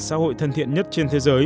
xã hội thân thiện nhất trên thế giới